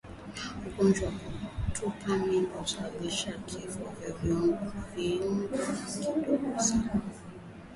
Ugonjwa wa kutupa mimba husababisha vifo kwa kiwango kidogo sana